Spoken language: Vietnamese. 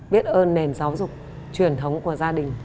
biết ơn nền giáo dục truyền thống của gia đình